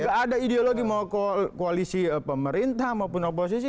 gak ada ideologi mau koalisi pemerintah maupun oposisi